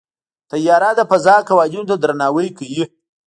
طیاره د فضا قوانینو ته درناوی کوي.